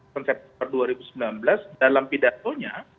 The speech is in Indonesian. september dua ribu sembilan belas dalam pidatonya